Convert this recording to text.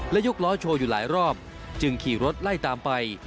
และยกล้อโชว์อยู่หลายรอบจึงขี่รถไล่ตามไป